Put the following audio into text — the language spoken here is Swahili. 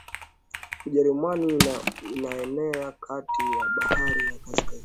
Ujerumani inaenea kati ya bahari ya Kaskazini